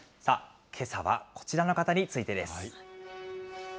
けさはこちらの方についてです。